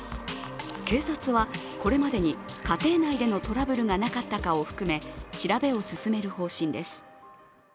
警察は、これまでに家庭内でのトラブルがなかったかを含め、調べを進める方針です。